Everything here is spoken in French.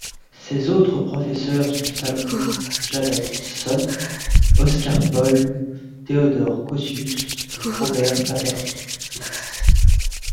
Ses autres Professeurs sont Salomon Jadassohn, Oscar Paul, Theodor Coccius et Robert Papperitz.